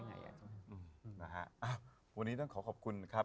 พี่ยังไม่ได้เลิกแต่พี่ยังไม่ได้เลิก